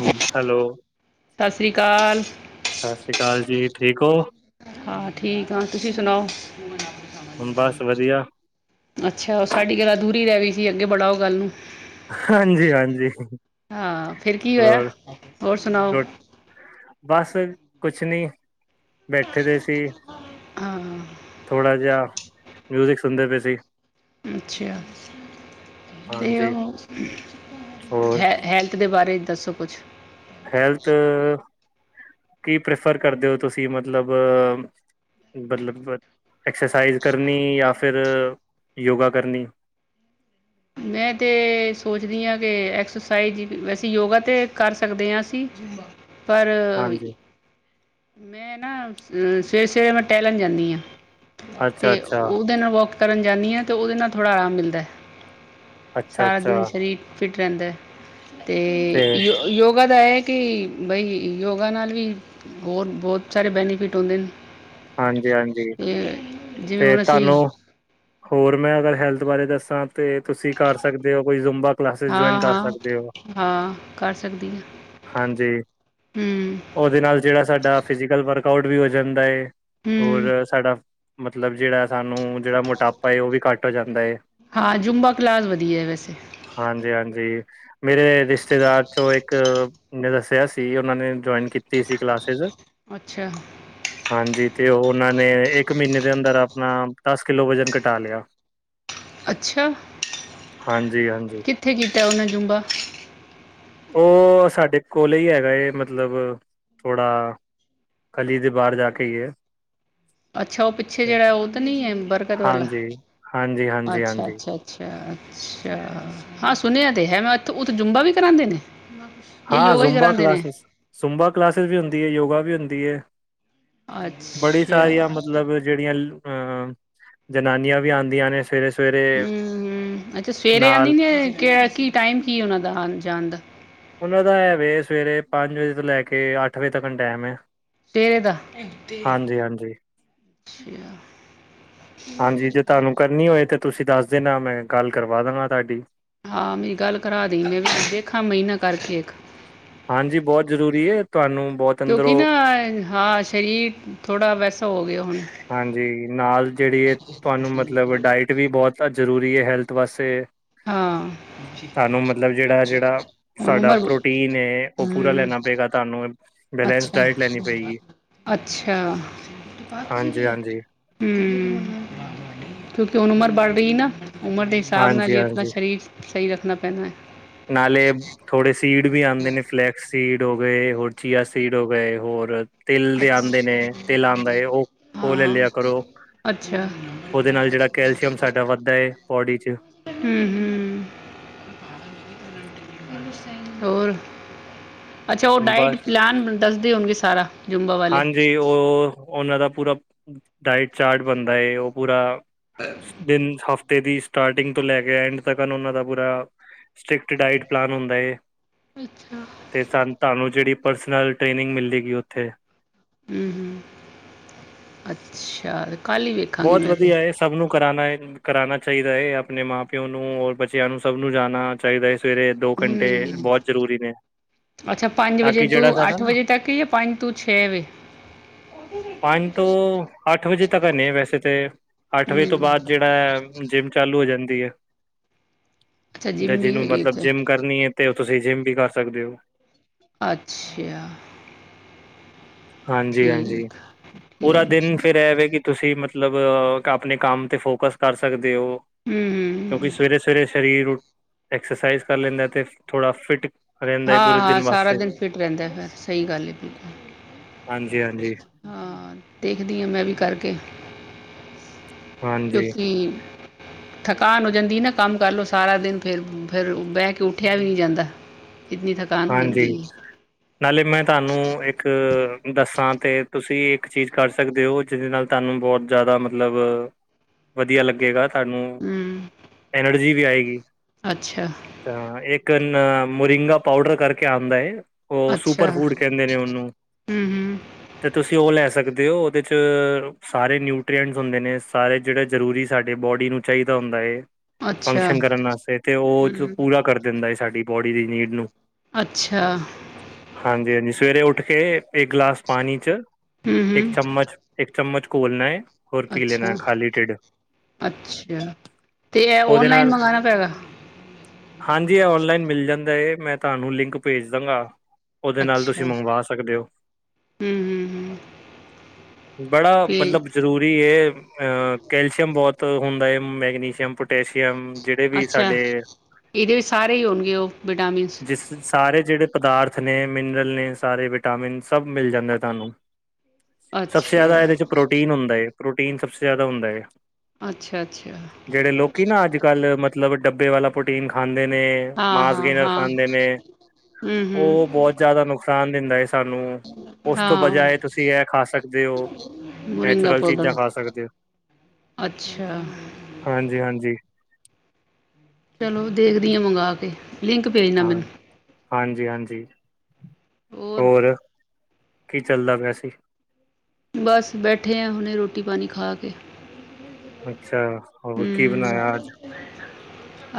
ਹਾਂਜੀ, ਹੈਲੋ ਸਤਿ ਸ੍ਰੀ ਅਕਾਲ ਸਤਿ ਸ੍ਰੀ ਅਕਾਲ ਜੀ, ਠੀਕ ਹੋ? ਹਾਂ ਠੀਕ ਆ, ਤੁਸੀਂ ਸੁਣਾਓ? ਬਸ ਵਧੀਆ ਅੱਛਾ, ਉਹ ਸਾਡੀ ਗੱਲ ਅਧੂਰੀ ਰਹਿ ਗਈ ਸੀ ਅੱਗੇ ਬੜਾਓ ਗੱਲ ਨੂੰ। ਹਾਂਜੀ ਹਾਂਜੀ ਹਾਂ ਫਿਰ ਕੀ ਹੋਇਆ? ਹੋਰ ਹੋਰ ਸੁਣਾਓ? [inaudible] ਰੋ- ਬਸ ਕੁਛ ਨੀ, ਬੈਠੇ ਦੇ ਸੀ। ਹਾਂ ਥੋੜਾ ਜਿਹਾ ਮਿਊਜਿਕ ਸੁਣਦੇ ਪਏ ਸੀ। ਅੱਛਾ। ਤੇ ਹਾਂਜੀ ਉਹ, ਹੋਰ ਹੈ ਹੈਲਥ ਦੇ ਬਾਰੇ ਦੱਸੋ ਕੁਛ? ਹੈਲਥ ਕੀ ਪ੍ਰੈਫਰ ਕਰਦੇ ਹੋ ਤੁਸੀਂ ਮਤਲਬ ਮਤਲਬ ਐਕਸਰਸਾਈਜ਼ ਕਰਨੀ ਯਹ ਫਿਰ ਯੋਗਾ ਕਰਨੀ? [inaudible] ਮੈਂ ਤੇ ਸੋਚਦੀ ਹਾਂ ਕਿ ਐਕਸਰਸਾਈਜ਼ ਹੀ, ਵੈਸੇ ਯੋਗਾ ਤਾਂ ਕਰ ਸਕਦੇ ਹਾਂ ਅਸੀਂ। ਪਰ ਹਾਂਜੀ ਮੈਂ ਨਾ ਅ ਸਵੇਰੇ-ਸਵੇਰੇ ਮੈਂ ਟਹਿਲਣ ਜਾਂਦੀ ਹਾਂ। ਤੇ ਅੱਛਾ ਅੱਛਾ ਉਹਦੇ ਨਾਲ ਵੱਕ ਕਰਨ ਜਾਂਦੀ ਹਾਂ ਤੇ ਉਹਦੇ ਨਾਲ ਥੋੜਾ ਆਰਾਮ ਮਿਲਦਾ ਹੈ। ਅੱਛਾ ਸਾਰਾ ਅੱਛਾ ਦਿਨ ਸਰੀਰ ਫਿਟ ਰਹਿੰਦਾ। ਤੇ ਯੋ ਯੋਗਾ ਦਾ ਇਹ ਕਿ ਬਈ ਯੋਗਾ ਨਾਲ ਵੀ ਹੋਰ ਬਹੁਤ ਸਾਰੇ ਬੈਨੀਫਿਟ ਹੁੰਂਦੇ ਨੇ। ਹਾਂਜੀ ਹਾਂਜੀ [unintelligible] ਤੇ ਹੁਣ ਅਸੀਂ ਤੁਹਾਨੂੰ ਹੋਰ ਮੈਂ ਅਗਰ ਹੈਲਥ ਬਾਰੇ ਦੱਸਾਂ ਤੇ ਤੁਸੀਂ ਕਰ ਸਕਦੇ ਹੋ ਕੋਈ ਜ਼ੂੰਬਾ ਕਲਾਸਿਸ ਜੁਆਇਨ ਹਾਂ ਕਰ ਹਾਂ ਸਕਦੇ ਹੋ। ਹਾਂ ਕਰ ਸਕਦੀ ਹਾਂ ਹਾਂਜੀ ਹੂੰ ਉਹਦੇ ਨਾਲ ਜਿਹੜਾ ਸਾਡਾ ਫਿਜ਼ਿਕਲ ਵਰਕਆਊਟ ਵੀ ਹੋ ਜਾਂਦਾ ਹੈ ਹੂੰ ਹੋਰ ਸਾਡਾ ਮਤਲਬ ਜਿਹੜਾ ਸਾਨੂੰ ਨੂੰ ਜਿਹੜਾ ਮੋਟਾਪਾ ਏ ਉਹ ਵੀ ਘੱਟ ਹੋ ਜਾਂਦਾ ਹੈਏ। ਹਾਂ, ਜੂੰਬਾ ਕਲਾਸ ਵਧੀਆ ਹੈ ਵੈਸੇ। ਹਾਂਜੀ-ਹਾਂਜੀ। ਮੇਰੇ ਰਿਸ਼ਤੇਦਾਰ ਚੋਂ ਇੱਕ ਦੱਸਿਆ ਸੀ ਉਹਨਾਂ ਨੇ ਜੁਆਇਨ ਕੀਤੀ ਸੀ ਕਲਾਸਿਸ ਅੱਛਾ ਹਾਂਜੀ, ਤੇ ਉਹਨਾਂ ਨੇ ਇੱਕ ਮਹੀਨੇ ਦੇ ਅੰਦਰ ਆਪਣਾ ਦਸ ਕਿੱਲੋ ਵਜਨ ਘਟਾ ਲਿਆ। ਅੱਛਾ? ਹਾਂਜੀ-ਹਾਂਜੀ। ਕਿੱਥੇ ਕਿੱ ਕੀਤਾ ਨੇ ਜੁੰਬਾ? ਉਹ ਸਾਡੇ ਕੋਲ ਹੀ ਹੈਗਾ ਏ ਮਤਲਬ ਥੋੜਾ ਕੱਲ ਹੀ ਤੇ ਬਾਹਰ ਜਾ ਕੇ ਆਈਏ। ਅੱਛਾ, ਉਹ ਪਿੱਛੇ ਜਿਹੜਾ ਉਹਧ ਨੀ ਹੈ ਬਰਕਤ ਵਾਲਾ ਹਾਂਜੀ ਹਾਂਜੀ ਹਾਂਜੀ ਹਾਂਜੀ ਅੱਛਾ-ਅੱਛਾ, ਅੱਛਾ। ਅੱਛਾ। ਹਾਂ ਸੁਣਿਆ ਤੇ ਹੈ ਮੈਂ ਇਥ ਉਥੇ ਜੁੰਬਾ ਵੀ ਕਰਾਉਂਦੇ ਨੇ? ਇਹ ਹਾਂ ਯੋਗਾ ਹੀ ਜ਼ੁੰਬਾ ਕਰਾਉਂਦੇ ਨੇ ਕਲਾਸਿਸ ਜ਼ਬਾ ਕਲਾਸਿਸ ਵੀ ਹੁੰਦੀ ਹੈ ਯੋਗਾ ਵੀ ਹੁੰਦੀ ਹੈ ਬੜੀ ਸਾਰੀਆਂ ਅੱਛਾ ਮਤਲਬ ਜਿਹੜੀਆਂ ਹ-ਹਂ। ਜਨਾਨੀਆਂ ਵੀ ਆਉਂਦੀਆਂ ਨੇ ਸਵੇਰੇ ਸਵੇਰੇ ਹੁਂ-ਹੁਂ, ਅੱਛਾ ਸਵੇਰੇ ਆਉਂਦੀ ਨਾਲ ਨੇ ਕੀ ਟਾਈਮ ਕੀ ਉਹਨਾਂ ਦਾ ਆਨ ਜਾਣ ਦਾ? ਉਹਨਾਂ ਦਾ ਹੈਵੇ ਸਵੇਰੇ ਪੰਜ ਵਜੇ ਤੋਂ ਲੈ ਕੇ ਅੱਠ ਵਜੇ ਤੱਕ ਟਾਈਮ ਹੈ। ਤੇਰੇ ਦਾ। ਅਛਾ ਹਾਂਜੀ ਹਾਂਜੀ ਹਾਂਜੀ ਜੇ ਤੁਹਾਨੂੰ ਕਰਨੀ ਹੋਵੇ ਤਾਂ ਤੁਸੀਂ ਦੱਸ ਦੇਣਾ ਮੈਂ ਗੱਲ ਕਰਵਾ ਦਗਾ ਤੁਹਾਡੀ। ਹਾਂ ਮੇਰੀ ਗੱਲ ਕਰਾ ਦੇ ਮੈਂ ਵੀ ਦੇਖਾ ਮਹੀਨਾ ਕਰਕੇ ਇੱਕ ਹਾਂਜੀ ਬਹੁਤ ਜ਼ਰੂਰੀ ਹੈ ਤੁਹਾਨੂੰ ਬਹੁਤ ਕਿਉਂਕਿ ਨਾ ਅੰਦਰੋਂ ਹਾਂ ਸ਼ਰੀਰ ਥੋੜਾ ਵੈਸੇ ਹਾਂਜੀ ਨਾਲ ਜਿਹੜੀ ਹੈ ਤੁਹਾਨੂੰ ਮਤਲਬ ਡਾਇਟ ਵੀ ਬਹੁਤ ਜ਼ਰੂਰੀ। ਏ ਹੈਲਥ ਵਾਸਤੇ ਹਾਂ ਤੁਹਾਨੂੰ ਮਤਲਬ ਜਿਹੜਾ ਜਿਹੜਾ ਹੁਣ ਸਾਡਾ ਉਮਰ ਹੂੰ ਪ੍ਰੋਟੀਨ ਹੈ ਉਹ ਪੂਰਾ ਲੈਣਾ। ਪਏਗਾ ਤੁਹਾਨੂੰ ਬੈਲੈਂਸ ਅੱਛਾ ਡਾਇਟ ਲੈਣੀ ਪਏਗੀ ਅੱਛਾ ਹਾਂਜੀ ਹਾਂਜੀ ਹੂੰ ਕਿਉਂਕਿ ਹੁਣ ਉਮਰ ਬੜ ਰਹੀ ਨਾ। ਉਮਰ ਦੇ ਹਿਸਾਬ ਨਾਲ ਹਾਂਜੀ ਹੀ ਆਪਣਾ ਹਾਂਜੀ ਸਰੀਰ ਸਹੀ ਰੱਖਣਾ ਪੈਣਾ ਹੈ। ਨਾਲੇ ਥੋੜੇ ਸੀਡ ਵੀ ਆਉਂਦੇ ਨੇ ਫਲੈਕਸ ਸੀਡ ਗਏ। ਹੋਰ ਚੀਆ ਸੀਡ ਹੋ ਗਏ ਹੋਰ ਤਿਲ ਦੇ ਆਉਂਦੇ ਨੇ। ਤਿਲ ਆਉਂਦਾ ਉਹ ਉਹ ਲੈ ਹਾਂ ਲਿਆ ਕਰੋ। ਅੱਛਾ ਉਹਦੇ ਨਾਲ ਜਿਹੜਾ ਕੈਲਸ਼ੀਅਮ ਸਾਡਾ ਵੱਧਦਾ ਹੈ ਬੋਡੀ ਚ ਹੁਂ-ਹੁਂ। ਹੋਰ ਅੱਛਾ ਉਹ ਡਾਇਟ ਬਸ ਪਲੈਨ ਦੱਸਦੀ ਹੋਣਗੇ ਸਾਰਾ? ਜੁੰਬਾ ਵਾਲੇ। ਹਾਂਜੀ ਉਹ ਉਹਨਾਂ ਦਾ ਪੂਰਾ ਡਾਇਟ ਚਾਰਟ ਬਣਦਾ ਏ ਉਹ ਪੂਰਾ ਦਿਨ ਹਫ਼ਤੇ ਦੀ ਸਟਾਰਟਿੰਗ ਤੋਂ ਲੈ ਕੇ ਐਂਡ ਤ ਦਾ ਪੂਰਾ ਸਟ੍ਰਿਕਟ ਡਾਇਟ ਪਲਾਨ ਹੁੰਦਾੋ ਏ। ਅੱਛਾ। ਤੇ ਤੁਹਾਨੂੰ ਜਿਹੜੀ ਪਰਸਨਲ ਟ੍ਰੇਨਿੰਗ ਮਿਲਦੀ ਗ ਉੱਥੇ ਹੂੰ ਹੂੰ ਅੱਛਾ। ਕੱਲ ਹੀ ਵੇਖਾਂਗੀ ਬਹੁਤ ਮੈਂ ਤੇ ਵਧੀਆ ਸਭ ਨੂੰ ਕਰਾਉਣਾ। ਕਰਾਉਣਾ ਚਾਹੀਦਾ ਹੈ। ਆਪਣੇ ਮਾਂ ਪਿਓ ਨੂੰ ਔਰ ਬੱਚਿਆਂ ਨੂੰ ਸਭ ਨੂੰ ਜਾਣਾ ਚਾਹੀਦਾ ਹੈ। ਸਵੇਰੇ ਦੋ ਘੰਟੇ ਹੂੰ। ਬਹੁਤ ਜ਼ਰੂਰੀ ਨੇ ਅੱਛਾ ਪੰਜ ਤਾਂ ਵਜੇ ਕਿ ਤੋਂ ਜਿਹੜਾ ਸਾਡਾ ਅੱਠ ਨਾ ਵਜੇ ਤੱਕ ਹੈ ਜਾਂ ਪੰਜ ਤੋਂ ਛੇ ਵਜੇ ਪੰਜ ਤੋਂ ਅੱਠ ਵਜੇ ਤੱਕ ਹੁਨੇ ਵੈਸੇ ਕਿਸੇ ਤੇ ਅੱਠ ਵਜੇ ਤੋਂ ਹੂੰ। ਬਾਅਦ ਜਿਹੜਾ ਹੈ ਜਿੰਮ ਚਾਲੂ ਹੋ ਜਾਂਦੀ ਹੈ। ਅੱਛਾ ਜ ਜਿੰਮ ਵੀ ਜਿਹਨੂੰ ਹੈਗੀ ਮਤਲਬ ਉੱਥੇ ਜਿੰਮ ਕਰਨੀ ਹੈ ਤੇ ਤੁਸੀਂ ਜਿੰਮ ਵੀ ਕਰ ਸਕਦੇ ਹੋ। ਅੱਛਾ ਹਾਂਜੀ ਹਾਂਜੀ ਠੀਕ। ਪੂਰਾ ਠੀਕ ਦਿਨ ਫੇਿਰ ਇਹਵੇ ਕਿ ਤੁਸੀਂ ਮਤਲਬ ਮਤਲਬ ਆਪਣੇ ਕੰਮ ਤੇ ਫੋਕਸ ਕਰ ਸਕਦੇ ਹੋ ਹੂੰ ਹੂੰ। ਕਿਉਂਕਿ ਸਵੇਰੇ ਸਵੇਰੇ ਸਰੀਰ ਐਕਸਰਸਾਈਜ਼ ਕਰ ਲੈਂਦਾ ਤੇ ਥੋੜਾ ਫਿਟ ਰਹਿੰਦਾ ਹੈ ਹਾਂ ਪੂਰੇ ਹਾਂ ਦਿਨ ਸਾਰਾ ਵਾਸਤੇ ਦਿਨ ਫਿਟ ਰਹਿੰਦਾ ਫਿਰ ਸਹੀ ਗੱਲ ਬਿਲਕੁਲ ਹਾਂਜੀ-ਹਾਂਜੀ, ਹਾਂ ਤੇ ਦੇਖਦੀ ਹਾਂ ਮੈਂ ਵੀ ਕਰਕੇ ਹਾਂਜੀ, ਹਾਂਜੀ ਕਿਉਂਕਿ ਥਕਾਨ ਹੋ ਜਾਂਦੀ ਨਾ ਕੰਮ ਕਰ ਲਓ ਸਾਰਾ ਦਿਨ ਫਿਰ ਫਿਰ ਬਹਿ ਕੇ ਉੱਠਿਆ ਵੀ ਨਹੀਂ ਜਾਂਦਾ। ਇਤਨੀ ਥਕਾਨ ਹੋ ਹਾਂਜੀ ਜਾਂਦੀ ਹੈ ਨਾਲੇ ਮੈਂ ਤੁਹਾਨੂੰ ਇੱਕ ਦੱਸਾਂ ਤੇ ਤੁਸੀਂ ਇੱਕ ਚੀਜ਼ ਕਰ ਸਕਦੇ ਹੋ ਜਿਹਦੇ ਨਾਲ ਤੁਹਾਨੂੰ ਬਹੁਤ ਜ਼ਿਆਦਾ ਮਤਲਬ ਵਧੀਆ ਲੱਗੇਗਾ ਤੁਹਾਨੂੰ ਹੂੰ ਐਨਰਜੀ ਵੀ ਆਏਗੀ ਅੱਛਾ ਚਿਕਨ ਮਰਿੰਗਾ ਪਾਊਡਰ ਕਰਕੇ ਆਉਂਦਾ ਹੈ ਉਹ ਸੁਪਰ ਅੱਛਾ ਫੂਡ ਕਹਿੰਦੇ ਨੇ ਉਹਨੂੰ ਹੂੰ ਹੂੰ ਤੇ ਤੁਸੀਂ ਉਹ ਲੈ ਸਕਦੇ। ਦਿਓ ਉਹਦੇ 'ਚ ਸਾਰੇ ਨਿਊਟਰੀਐਂਟਸ ਹੁੰਦੇ ਨੇ ਸਾਰੇ ਜਿਹੜੇ ਜ਼ਰੂਰੀ ਸਾਡੇ ਬੋਡੀ ਨੂੰ ਚਾਹੀਦਾ ਹੁੰਦਾ। ਅੱਛਾ ਫੰਕਸ਼ਨ ਕਰਨ ਵਾਸਤੇ ਤੇ ਉਹ ਹੂੰ ਪੂਰਾ ਕਰ ਦਿੰਦਾ ਏ ਸਾਡੀ ਬੋਡੀ ਦੀ ਨੀਡ ਨੂੰ ਅੱਛਾ ਹਾਂਜੀ ਹਾਂਜੀ ਸਵੇਰੇ ਉੱਠ ਕੇ ਇੱਕ ਗਲਾਸ ਪਾਨੀ ਚ ਹੂੰ ਇੱਕ ਹੂੰ ਚਮਚ ਇੱਕ ਚਮਚ ਘੋਲਨਾ ਏ ਹੋਰ ਪੀ ਲੈਨਾ ਅੱਛਾ ਖਾਲੀ ਢਿੱਡ ਅੱਛਾ ਤੇ ਇਹ ਉਹਦੇ ਓਨਲਾਈਨ ਨਾਲ ਮੰਗਾਣਾ ਪੈਗਾ ਹਾਂਜੀ ਇਹ ਔਨਲਾਈਨ ਮਿਲ ਜਾਂਦਾ ਏ ਮੈਂ ਤੁਹਾਨੂੰ ਲਿੰਕ ਭੇਜ ਦਾਂਗਾ ਉਹਦੇ ਨਾਲ ਅੱਛਾ ਤੁਸੀਂ ਹੂੰ ਮੰਗਵਾ ਸਕਦੇ ਹੋ ਹੂੰ ਹੂੰ ਬੜਾ ਤੇ ਮਤਲਬ ਜ਼ਰੂਰੀ ਏ ਅ ਕੈਲਸ਼ੀਅਮ ਬਹੁਤ [inaudible] ਹੁੰਦਾ ਏ ਮੈਗਨੀਸ਼ੀਅਮ ਪਟੈਸ਼ੀਅਮ ਜਿਹੜੇ ਵੀ ਅੱਛਾ ਸਾਡੇ ਇਹਦੇ ਵਿੱਚ ਸਾਰੇ ਹੀ ਹੋਣਗੇ ਉਹ ਵਿਟਾਮਿਨਸ ਜਿਸ ਸਾਰੇ ਜਿਹੜੇ ਪਦਾਰਥ ਨੇ ਮਿਨਰਲ ਨੇ ਸਾਰੇ ਵਿਟਾਮਿਨ ਸਭ ਮਿਲ ਜਾਂਦਾ ਤਹਾਨੂੰ ਸਭਸੇ ਜ਼ਿਆਦਾ ਅੱਛਾ ਇਹਦੇ ਚ ਪ੍ਰੋਟੀਨ ਹੁੰਦਾ ਏ ਪ੍ਰੋਟੀਨ ਸਭਸੇ ਜ਼ਿਆਦਾ ਹੁੰਦਾ ਏ ਅੱਛਾ ਅੱਛਾ ਜਿਹੜੇ ਲੋਕੀ ਨਾ ਅੱਜ ਕੱਲ੍ਹ ਮਤਲਬ ਡੱਬੇ ਵਾਲਾ ਪ੍ਰੋਟੀਨ ਖਾਂਦੇ ਨ ਨੇ ਹਾਂ ਮਾਸ ਹਾਂ ਵਗੈਰ ਹਾਂ ਖਾਂਦੇ ਨੇ ਹੂੰ ਉਹ ਹੂੰ ਬਹੁਤ ਜਿਆਦਾ ਨੁਕਸਾਨ ਦਿੰਦਾ ਏ ਸਾਨੂੰ ਉਸ ਤੋਂ ਹਾਂ ਬਜਾਏ ਤੁਸੀਂ ਇਹ ਖਾ ਸਕਦੇ ਹੋ ਮੋਰਿੰਗਾ ਨੈਚੁਰਲ ਪਾਊਡਰ ਚੀਜ਼ਾਂ ਖਾ ਸਕਦੇ ੳ ਅੱਛਾ ਹਾਂਜੀ ਹਾਂਜੀ ਚਲੋ ਦੇਖਦੀ ਆ ਮੰਗ ਕੇ ਲਿੰਕ ਭੇਜਣਾ ਹਾਂ ਮੈਨੂੰ ਹਾਂਜੀ ਹਾਂਜੀ ਹੋਰ ਕੀ ਚੱਲਦਾ ਪੈਸੇ ਬਸ ਬੈਠੇ ਆ ਹੁਨੇ ਰੋਟੀ ਪਾਣੀ ਖਾ ਕੇ ਅੱਛਾ ਹੋਰ ਕੀ ਬਨਾਇਆ ਅੱਜ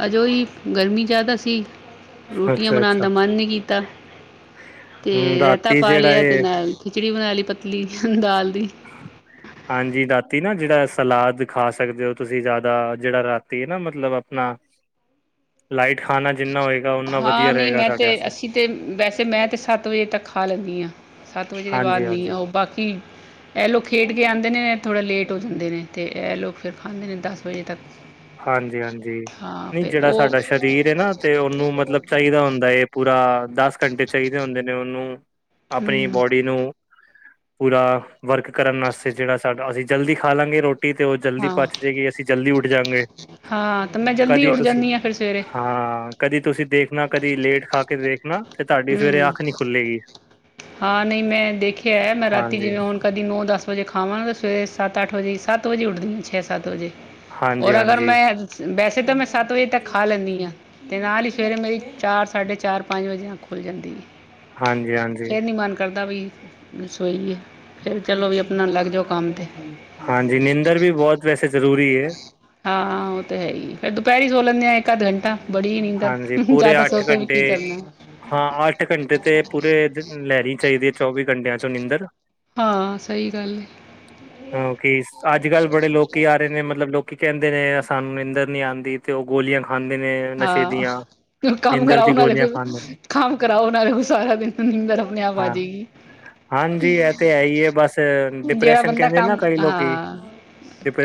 ਅਜ। ੳਹੀ ਗਰਮੀ ਜ਼ਿਆਦਾ ਸੀ ਰੋਟੀਆਂ ਅੱਛਾ ਬਨਾਣ ਅੱਛਾ ਦਾ ਮਨ ਨਹੀਂ ਕੀਤਾ ਤੇ ਹਮ ਰਾਇਤਾ ਰਾਤੀ ਪਾ ਜਿਹੜਾ ਲਿਆ ਤੇ ਇਹ ਨਾਲ ਖਿਚੜੀ ਬਨਾ ਲਈ ਪਤਲੀ ਦਾਲ ਦੀ ਹਾਂਜੀ ਦਾ ਨਾ ਜਿਹੜਾ ਸਲਾਦ ਖਾ ਸਕਦੇ ਹੋ ਤੁਸੀਂ ਜ਼ਿਆਦਾ ਜਿਹੜਾ ਰਾਤੀ ਨਾ ਮਤਲਬ ਅਪਨਾ ਹ [inaudible] ਉਨਾ ਹਾਂ ਵਧੀਆ ਨਹੀਂ ਰਹੇਗਾ ਮੈਂ ਤੇ ਸਾਡੇ ਵਾਸਤੇ ਅਸੀਂ ਤੇ ਵੈਸੇ ਮੈਂ ਤੇ ਸੱਤ ਵਜੇ ਤੱਕ ਖਾ ਲੈਂਨੀ ਆ ਸੱਤ ਵਜੇ ਦੇ ਬਾਅਦ ਹਾਂਜੀ ਨੀ ਹਾਂਜੀ ਆਹੋ ਬਾਕੀ ਇਹ ਲੋਗ ਖੇਡ ਕੇ ਬਚੇ ਆਦੇ ਨੇ ਥੋੜ੍ਹਾ ਲੇਟ ਹੋ ਜਾਂਦੇ ਨੇ ਤੇ ਇਹ ਲੋਕ ਫਿਰ ਖਾਂਦੇ ਨੇ ਦਸ ਵਜੇ ਤੱਕ ਹਾਂਜੀ ਹਾਂਜੀ ਹਾਂ ਨਈ ਫਿਰ ਜਿਹੜਾ ਉਹ ਸਾਡਾ ਸਰੀਰ ਏ ਨਾ ਤੇ ਉਹਨੂੰ ਮਤਲਬ ਚਾਹੀਦਾ ਹੁੰਦਾ ਏ ਪੂਰਾ ਦਸ ਘੰਟੇ ਚਾਹੀਦੇ ਹੁੰਦੇ ਨੇ ਉਹਨੂੰ ਆਪਣੀ ਹੂੰ ਬੋਡੀ ਨੂੰ ਪੂਰਾ ਵਰਕ ਕਰਨ ਆਸਤੇ ਜਿਹੜਾ ਸਾਡਾ ਅਸੀਂ ਜਲਦੀ ਖਾ ਲਾਂਗੇ ਰੋਟ ਰੋਟੀ ਤੇ ਉਹ ਜਲਦੀ ਹਾਂ ਪੱਚ ਜੇਗੀ ਅਸੀਂ ਜਲਦੀ ਉੱਠ ਜਾਂਗੇ ਹਾਂ ਤੇ ਮੈਂ ਜਲਦੀ ਕਦੀ ਉੱਠ ਤੁਸੀਂ ਜਾਂਨੀ ਆ ਫਿਰ ਸਵੇਰੇ ਹਾਂ ਕਦੀ ਤੁਸੀਂ ਦੇਖਨਾ ਕਦੀ ਲੇਟ ਖਾ ਕੇ ਦੇਖਨਾ ਤੇ ਤਹਾਡੀ ਸਵੇਰੇ ਹਮ ਅੱਖ ਨਈ ਖੁੱਲੇਗੀ ਹਾਂ ਨਹੀਂ ਮੈਂ ਦੇਖਿਆ ਮੈਂ ਰਾਤੀ ਹਾਂਜੀ ਜਿਵੇਂ ਹੁਨ ਕਦੀ ਨੌ ਦਸ ਵਜੇ ਖਾਵਾਂ ਨ ਸਵੇਰੇ ਸਤ ਅੱਠ ਵਜੇ ਸੱਤ ਵਜੇ ਉੱਠਦੀ ਛੇ ਸੱਤ ਵਜੇ ਹਾਂਜੀ, ਔਰ ਅਗਰ ਹਾਂਜੀ, ਮੈਂ ਬੈਸ ਉੱਥੇ ਤਾਂ ਮੈਂ ਸੱਤ ਵਜੇ ਤੱਕ ਖਾ ਲੈਂਨੀ ਆ ਤੇ ਨਾਲ ਹੀ ਸਵੇਰੇ ਮੇਰੀ ਚਾਰ ਸਾਢੇ ਚਾਰ ਪੰਜ ਵਜੇ ਅਖ ਖੁੱਲ ਜਾਂਦੀ ਏ ਹਾਂਜੀ! ਹਾਂਜੀ! ਦਾ ਵੀ ਰਸੋਈ ਏ ਫਿਰ ਚਲੋ ਵੀ ਅਪਨਾ ਲੱਗ ਜਾਓ ਕੰਮ ਤੇ। ਹਾਂਜੀ! ਨਿੰਦਰ ਵੀ ਬਹੁਤ ਵੈਸੇ ਜ਼ਰੂਰੀ ਏ। ਹਾਂ ਉਹ ਤਾਂ ਹੈ ਈ ਫਿਰ ਦੁਪਹਿਰੀ ਹੀ ਸੋ ਲੈਂਨੇ ਹਾਂ ਇੱਕ ਅੱਧ ਘੰਟਾ। ਬੜੀ ਈ ਨਿੰਦਰ ਹਾਂਜੀ, ਪੂਰੇ ਜਿਆਦਾ ਅੱਠ ਸੋਕੇ ਵੀ ਘੰਟੇ ਕੀ ਕਰਨਾ। ਅੱਠ ਘੰਟੇ ਤੇ ਪੂਰੇ ਲੈਨੀ ਚਾਈਦੀ ਏ ਚੌਵੀ ਘੰਟਿਆਂ ਚੋਂ ਨਿੰਂਦਰ। ਹਾਂ ਸਹੀ ਗੱਲ ਹੈ ਹਾ ਕਿ ਅੱਜ ਕੱਲ੍ਹ ਬੜੇ ਲੋਕੀ ਆ ਰਹੇ ਨੇ ਮਤਲਬ ਲੋਕੀ ਕਹਿੰਦੇ ਨੇ ਸਾਨੂੰ ਨਿੰਦਰ ਨਈ ਆਂਦੀ ਤੇ ਉਹ ਗੋਲੀਆਂ ਖਾਂਦੇ ਨੇ ਨਸ਼ੇ ਦੀਆਂ ਤੇ ਕੰਮ ਨੀਂਦਰ ਕਰਾਓ ਦੀ ਨਾਲੇ ਗੋਲੀਆਂ ਫਿਰ ਖਾਂਦੇ ਨੇ ਕੰਮ ਕਰਾਓੇ ਨਾਲ ਸਾਰਾ ਦਿਨ ਨਿੰਦਰ ਅਪਨੇ ਆਪ ਹਾਂ, ਆਜ [inaudible] [inaudible] ਹਾਂਜੀ! ਇਹ ਤੇ ਹੈ, ਹੀ ਹੈ। ਬਸ ਜਿਹੜਾ ਡਿਪਰੈਸ਼ਨ ਬੰਦਾ ਕਹਿੰਦੇ ਨਾ ਕੰਮ ਕਈ ਲੋਕੀ। ਹਾਂ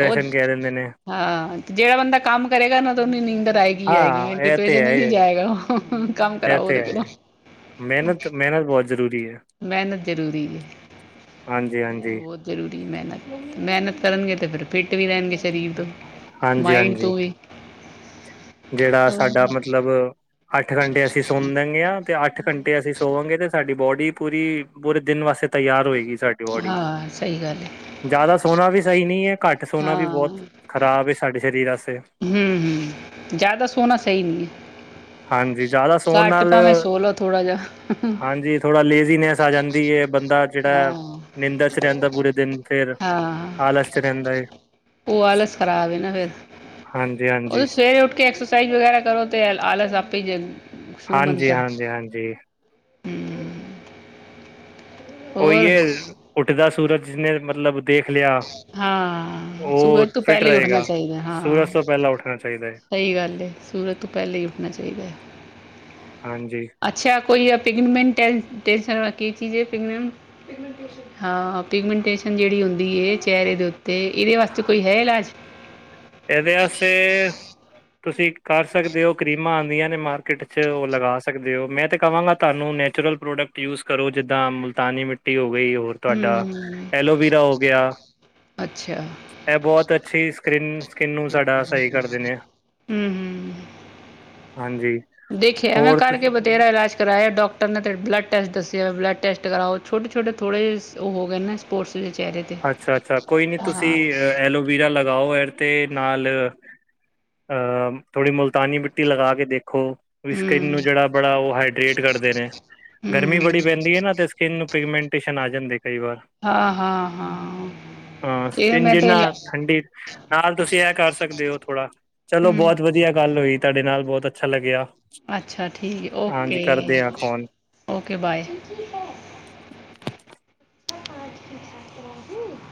ਉਹ, ਕਹਿ ਦਿੰਦੇ ਨੇ ਹਾਂ ਜਿਹੜਾ ਬੰਦਾ ਕੰਮ ਕਰੇਗਾ ਨਾ, ਤਾਂ ਉਹਨੂੰ ਨਿੰਦਰ ਆਏਗੀ-ਆਏਗੀ। ਹਾਂ, ਇਹ ਤੇ ਡਿਪ੍ਰੇਸ਼ਨ ਹੈ ਵਿਚ ਨੀ ਜਾਏਗਾ। ਓਹੋ ਇਹ ਤੇ ਹੈ। ਮਿਹਨਤ-ਮਿਹਨਤ ਬਹੁਤ ਜ਼ਰੂਰੀ ਹੈ। ਮਿਹਨਤ ਜ਼ਰੂਰੀ ਹੈ ਹਾਂਜੀ-ਹਾਂਜੀ। ਬਹੁਤ ਜ਼ਰੂਰੀ ਮਿਹਨਤ ਕਰਨਗੇ ਤੇ ਫੇਰ, ਫਿੱਟ ਵੀ ਰਹਿਣਗੇ ਸਰੀਰ ਤੋਂ, ਮਾਇੰਡ ਹਾਂਜੀ-ਹਾਂਜੀ, ਤੋਂ ਵੀ। ਜਿਹੜਾ ਸਾਡਾ ਮਤਲਬ ਅੱਠ ਘੰਟੇ ਅਸੀਂ ਸੋਨ ਦੇਣ ਗੇ ਆ। ਤੇ ਅੱਠ ਘੰਟੇ ਅਸੀਂ ਸੋਵਾਂਗੇ, ਤੇ ਸਾਡੀ ਬੋਡੀ ਈ ਪੂਰੀ, ਪੂਰੇ ਦਿਨ ਵਾਸਤੇ ਤਿਆਰ ਹੋਏਗੀ। ਸਾਡੀ ਬੋਡੀ ਹਾਂ, ਸਹੀ ਗੱਲ। ਹੈ ਜ਼ਿਆਦਾ, ਸੋਨਾ ਵੀ ਸਹੀ ਨਹੀਂ ਹੈ। ਘੱਟ ਸੋਨਾ ਵੀ, ਹਾਂ ਬਹੁਤ ਖ਼ਰਾਬ ਸਾਡੇ ਸਰੀਰ ਵਾਸਤੇ। ਹੂੰ- ਹੂੰ, ਜ਼ਿਆਦਾ ਸੋਨਾ ਸਹੀ ਨਹੀਂ ਹੈ। ਹਾਂਜੀ, ਜ਼ਿਆਦਾ ਸੋਣ ਘੱਟ ਨਾਲ ਭਾਵੇਂ ਸੋ ਲੋ ਥੋੜਾ ਜਾ ਹਾਂਜੀ, ਥੋੜਾ ਲੇਜ਼ੀਨੈਸ ਆ ਜਾਂਦੀ ਹੈ। ਬੰਦਾ ਜਿਹੜਾ ਹਾਂ ਨਿੰਦਰ ਚ ਰਹਿੰਦਾ ਪੂਰੇ ਦਿਨ ਫੇਰ, ਹਾਂ ਆਲਸ ਚ ਰਹਿੰਦਾ ਏ। ਉਹ ਆਲਸ ਖਰਾਬ ਏ ਨਾ ਫਿਰ। ਉਹ ਹਾਂਜੀ-ਹਾਂਜੀ, ਤੇ ਸਵੇਰੇ ਉੱਠ ਕੇ ਐਕਸਰਸਾਈਜ਼ ਵਗੈਰਾ ਕਰੋ ਤੇ ਆਲਸ ਆਪੇ ਈ ਹਾਂਜੀ, ਹਾਂਜੀ, ਹਾਂਜੀ! ਹੂੰ। ਉਹੀਏ, ਉੱਠਦਾ ਸੂਰਜ ਜਿਸਨੇ, ਮਤਲਬ ਦੇਖ ਲਿਆ। ਹਾਂ, ਉਹ ਸੂਰਜ ਤੋਂ ਫਿਟ ਪਹਿਲੇ ਹੀ ਉੱਠਣਾ ਰਹੇਗਾ ਚਾਹੀਦਾ ਸੂਰਜ ਹਾਂ। ਤੋਂ ਪਹਿਲਾਂ ਉੱਠਣਾ ਚਾਹੀਦਾ ਹੈ ਸਹੀ ਗੱਲ ਏ। ਸੂਰਜ ਤੋਂ ਪਹਿਲਾਂ ਹੀ, ਉੱਠਣਾ ਚਾਹੀਦਾ ਹੈ। ਹਾਂਜੀ ਅੱਛਾ! ਕੋਈ ਪਿਗਨਮੈਂਟ ਹੈ। [unintelligible] ਪਿਗਮੈਂਨਟੇਸ਼ਨ ਜਿਹੜੀ ਹੁੰਦੀ ਹੈ। ਚਿਹਰੇ ਦੇ ਉੱਤੇ, ਇਹਦੇ ਵਾਸਤੇ ਕੋਈ ਹੈ, ਇਲਾਜ। ਇਹਦੇ ਵਾਸਤੇ ਤੁਸੀਂ ਕਰ ਸਕਦੇ ਹੋ। ਕਰੀਮਾਂ, ਆਉਂਦੀਆਂ ਨੇ ਮਾਰਕੀਟ ਚ ਉਹ ਲਗਾ ਸਕਦੇ ਹੋ। ਮੈਂ ਤਾਂ ਕਹਾਂਗਾ ਤੁਹਾਨੂੰ ਨੈ ਨੈਚੁਰਲ ਪ੍ਰੋਡਕਟ ਯੂਜ਼ ਕਰੋ। ਜਿੱਦਾਂ, ਮੁਲਤਾਨੀ ਮਿੱਟੀ ਹੋਗੀ। ਹੋਰ, ਹਮ ਤੁਹਾਡਾ ਹਮ ਐਲੋਵੀਰਾ ਹੋ ਗਿਆ। ਅੱਛਾ ਇਹ ਬਹੁਤ ਅੱਛੀ ਸਕਿ੍ਨ, ਸਕਿਨ ਨੂੰ ਸਾਡਾ, ਸਹੀ ਕਰ ਦਿੰਦੇ ਆ। ਹਮ ਹਮ ਹਾਂਜੀ। ਦੇਖਿਆ। ਮੈਂ, ਹੋਰ ਕਰਕੇ ਤੁਸ- ਬਥੇਰਾ ਇਲਾਜ ਕਰਾਇਆ ਡਾਕਟਰ ਨੇ ਤੇ ਬਲੱਡ ਟੈਸਟ ਦੱਸਿਆ। ਬਲੱਡ ਟੈਸਟ ਕਰਾਓ ਛੋਟੇ- ਛੋਟੇ, ਥੋੜੇ ਉਹ ਹੋ, ਗਏ ਨੇ। ਸਪੋਰਟਸ ਦੇ ਚਿਹਰੇ 'ਤੇ ਅੱਛਾ- ਅੱਛਾ। ਕੋਈ ਨੀ ਤੁਸੀਂ ਹਮ ਐਲੋਵੀਰਾ ਲਗਾਓ ਐਰ ਤੇ ਨਾਲ ਅਹ, ਥੋੜੀ ਮੁਲਤਾਨੀ ਮਿੱਟੀ ਲਗਾ ਕੇ ਦੇਖੋ ਸਕਿਨ ਹਮ ਨੂੰ ਜਿਹੜਾ, ਬੜਾ ਉਹ ਹਾਈਡਰੇਟ ਕਰਦੇ ਨੇ। ਗਰਮੀ ਹਮ ਬੜੀ ਪੈਂਦੀ ਹੈ ਨਾ, ਤੇ ਸਕਿੰਨ ਨੂੰ ਪਿਗਮੈਂਨਟੇਸ਼ਨ ਆ ਜਾਂਦੀ। ਹਾਂ-ਹਾਂ। ਹਾਂ! ਸਕਿਨ ਜਿੰਨਾ ਲ ਠੰਡੀ, ਨਾਲ ਤੁਸੀਂ ਇਹ ਕਰ ਸਕਦੇ ਹੋ ਥੋੜਾ। ਚਲੋ ਹਮ ਬਹੁਤ ਵਧੀਆ, ਗੱਲ ਹੋਈ ਤੁਹਾਡੇ ਨਾਲ। ਬਹੁਤ ਅੱਛਾ ਲੱਗਿਆ। ਅੱਛਾ, ਠੀਕ ਹੈ। ਹਾਂਜੀ ਓਕੇ, ਕਰਦੇ ਹਾਂ ਫੋਨ ਓਕੇ ਬਾਏ। [inaudible]